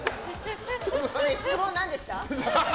質問、何でした？